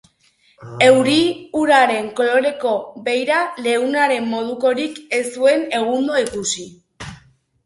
Euri-uraren koloreko beira leun haren modukorik ez zuen egundo ikusi.